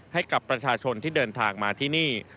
ให้กับประชาชนที่เดินทางมาที่นี่